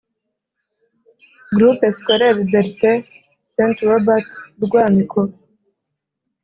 Groupe Scolaire Berthe St Robert Rwamiko